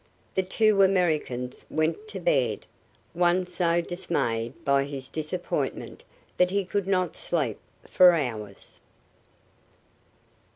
The two Americans went to bed, one so dismayed by his disappointment that he could not sleep for hours.